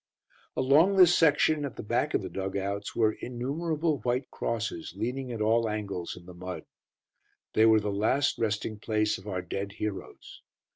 Along this section, at the back of the dug outs, were innumerable white crosses, leaning at all angles, in the mud. They were the last resting place of our dead heroes.